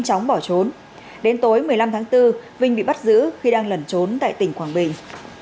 chóng bỏ trốn đến tối một mươi năm tháng bốn vinh bị bắt giữ khi đang lẩn trốn tại tỉnh quảng bình